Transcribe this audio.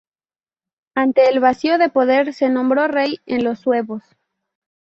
Ante el vacío de poder, se nombró rey de los suevos.